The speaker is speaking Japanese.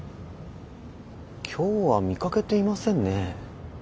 今日は見かけていませんね。